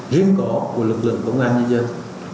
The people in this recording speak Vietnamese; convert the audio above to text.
riêng có của lực lượng công an nhân dân